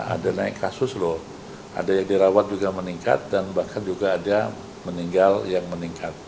ada naik kasus loh ada yang dirawat juga meningkat dan bahkan juga ada meninggal yang meningkat